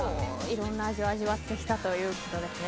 いろんな味を味わってきたということですね。